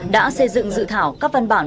đã xây dựng dự thảo các văn bản